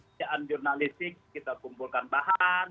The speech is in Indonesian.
sejak undurnalistik kita kumpulkan bahan